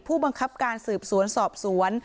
ผู้บังคับการสืบสวนสอบสวน